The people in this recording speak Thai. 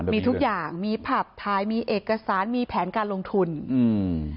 มีทุกอย่างมีผับทายมีเอกสารมีแผนการลงทุนอืม